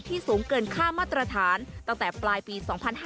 สูงเกินค่ามาตรฐานตั้งแต่ปลายปี๒๕๕๙